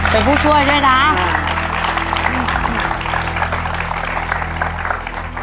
เป็นผู้ช่วยใช่ไหมนะ